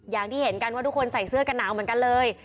อย่างที่เห็นกันว่าทุกคนใส่เสื้อกันหนาวเหมือนกันเลย